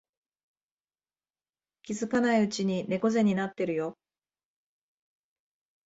気づかないうちに猫背になってるよ